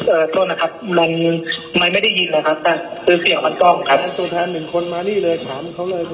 เอ่อโทษนะครับมันมันไม่ได้ยินเลยครับแต่คือเสียงมันต้องครับ